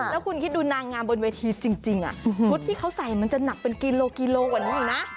แล้วคุณคิดดูนางงามบนเวทีจริงชุดที่เขาใส่มันจะหนักเป็นกิโลกิโลกว่านี้อีกนะ